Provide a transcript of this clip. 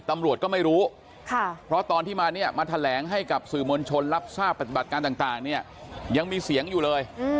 ตำรวจก็ไม่รู้เพราะตอนที่มาเนี่ยมาแถลงให้กับสื่อมวลชนรับทราบปฏิบัติการต่างเนี่ยยังมีเสียงอยู่เลย